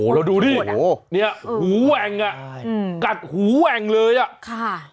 โหแล้วดูดิเนี่ยหูแหวงอะกัดหูแหวงเลยอะ